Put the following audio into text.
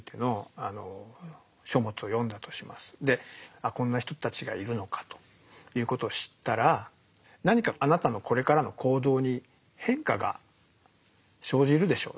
あこんな人たちがいるのかということを知ったら何かあなたのこれからの行動に変化が生じるでしょう。